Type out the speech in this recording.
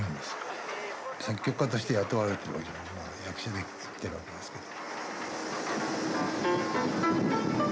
作曲家として雇われてるわけじゃなくて役者で行ってるわけですけど。